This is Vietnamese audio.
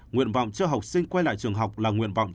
nguyện vọng cho học sinh quay lại trường học là nguyện vọng